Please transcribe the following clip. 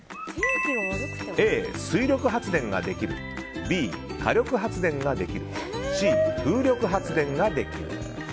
Ａ、水力発電ができるＢ、火力発電ができるＣ、風力発電ができる。